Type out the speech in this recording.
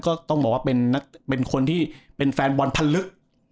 ก็ต้องบอกว่าเป็นคนที่เป็นแฟนบอลพันลึก